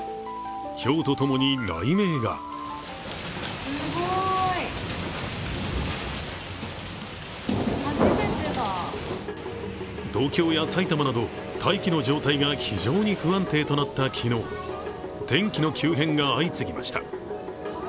ひょうとともに雷鳴が東京や埼玉など大気の状態が非常に不安定になった昨日、天気の急変が相次ぎました。